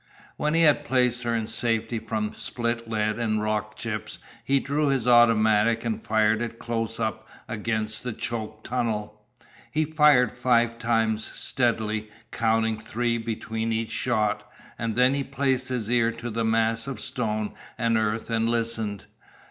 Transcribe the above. When he had placed her in safety from split lead and rock chips, he drew his automatic and fired it close up against the choked tunnel. He fired five times, steadily, counting three between each shot, and then he placed his ear to the mass of stone and earth and listened.